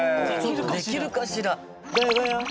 できるかしら。